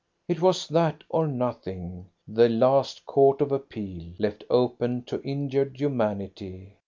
It was that or nothing the last court of appeal, left open to injured humanity.